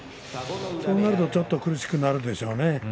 そうなるとちょっと苦しくなるでしょうね。